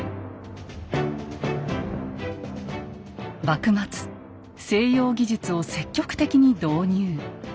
幕末西洋技術を積極的に導入。